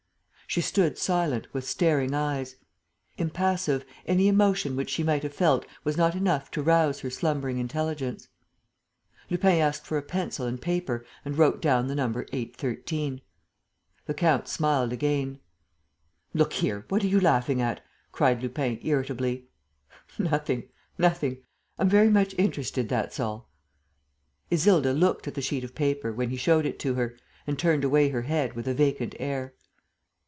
She stood silent, with staring eyes; impassive, any emotion which she might have felt was not enough to rouse her slumbering intelligence. Lupin asked for a pencil and paper and wrote down the number 813. The count smiled again. "Look here, what are you laughing at?" cried Lupin, irritably. "Nothing ... nothing. ... I'm very much interested, that's all. ..." Isilda looked at the sheet of paper, when he showed it to her, and turned away her head, with a vacant air.